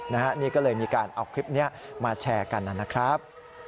นี่ก็เลยมีการเอาคลิปนี้มาแชร์กันนะครับ